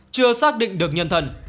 chưa xác định được nhân thần